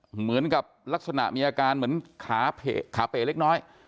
เหมือนกับลักษณะมีอาการเหมือนขาขาเป๋เล็กน้อย